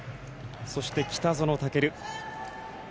そして、北園丈琉。